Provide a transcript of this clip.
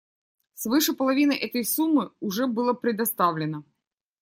Свыше половины этой суммы уже было предоставлено.